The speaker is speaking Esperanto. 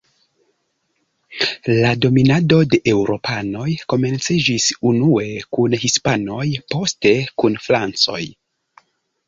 La dominado de eŭropanoj komenciĝis unue kun hispanoj, poste kun francoj.